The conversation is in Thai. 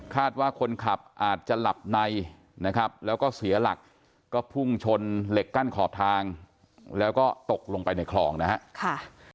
ว่าคนขับอาจจะหลับในนะครับแล้วก็เสียหลักก็พุ่งชนเหล็กกั้นขอบทางแล้วก็ตกลงไปในคลองนะฮะ